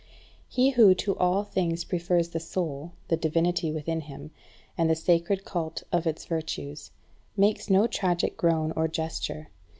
He who to all things prefers the soul, the divinity within him, and the sacred cult of its virtues, makes no tragic groan or gesture.